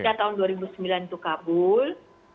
pada tahun dua ribu sembilan itu kabul